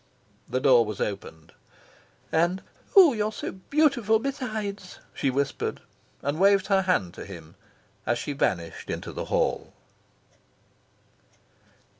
The door was opened. "And oh, you're beautiful besides!" she whispered; and waved her hand to him as she vanished into the hall.